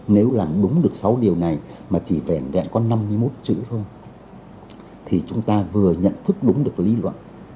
nếu làm đúng được sáu điều này mà chỉ vẻ đẹp có năm mươi một chữ thôi thì chúng ta vừa nhận thức đúng được lý luận